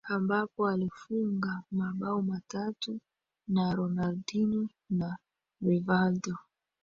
Ambapo alifunga mabao matatu na Ronaldinho na Rivaldo